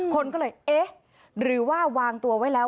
คนก็เลยเอ๊ะหรือว่าวางตัวไว้แล้ว